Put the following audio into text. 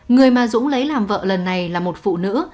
người mà dũng lấy làm vợ lần này là một phụ nữ